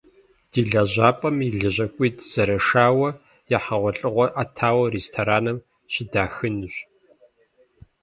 Ди лэжьапӏэм и лэжьакӏуитӏ зэрышауэ, я хьэгъуэлӏыгъуэр ӏэтауэ рестораным щыдахынущ.